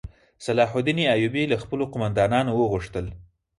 صلاح الدین ایوبي له خپلو قوماندانانو وغوښتل.